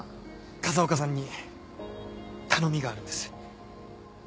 風岡さんに頼みがあるんです。